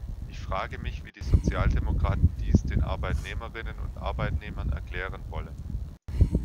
Ich frage mich, wie die Sozialdemokraten dies den Arbeitnehmerinnen und Arbeitnehmern erklären wollen.